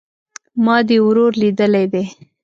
ما دي ورور ليدلى دئ